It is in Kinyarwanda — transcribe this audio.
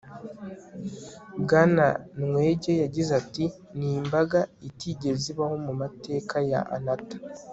bwana nwege yagize ati 'ni imbaga itigeze ibaho mu mateka ya anata